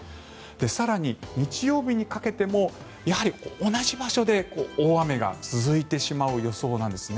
更に、日曜日にかけてもやはり同じ場所で大雨が続いてしまう予想なんです。